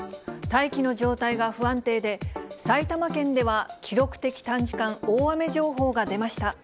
大気の状態が不安定で、埼玉県では記録的短時間大雨情報が出ました。